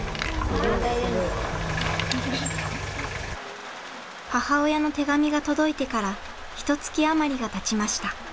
母親の手紙が届いてからひとつき余りがたちました。